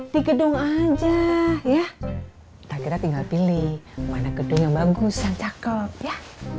di gedung aja ya akhirnya tinggal pilih mana gedung yang bagus yang cakep ya